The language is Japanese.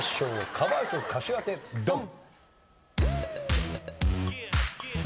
カバー曲歌手当てドン！